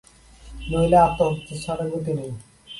নইলে, আত্মহত্যা ছাড়া গতি নেই।